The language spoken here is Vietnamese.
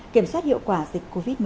kiểm soát hiệu quả dịch covid một mươi chín